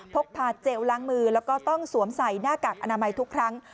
พกพาเจลล้างมือแล้วก็ต้องสวมใส่หน้ากากอนามัยทุกครั้ง